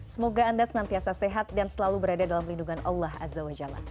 semoga anda senantiasa sehat dan selalu berada dalam lindungan allah azza wa jalla